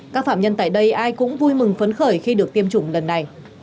các phạm nhân tại đây ai cũng vui mừng phấn khởi khi được tiêm chủng lần này